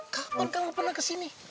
kapan kamu pernah kesini